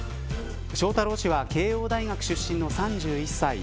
翔太郎氏は慶応大学出身の３１歳。